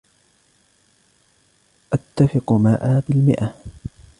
اتفق مائه بالمئه.